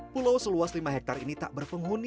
pulau seluas lima hektare ini tak berpenghuni